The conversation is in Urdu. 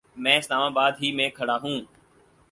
میں اسلام آباد ہی میں کھڑا ہوں